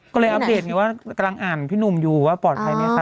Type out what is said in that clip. ก็เลยอัปเดตไงว่ากำลังอ่านพี่หนุ่มอยู่ว่าปลอดภัยไหมคะ